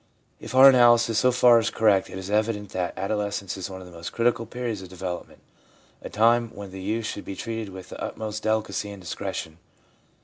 If our analysis so far is correct, it is evident that adolescence is one of the most critical periods of develop ment, a time when the youth should be treated with the utmost delicacy and discretion.